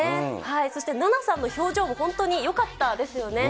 そしてナナさんの表情も本当によかったですよね。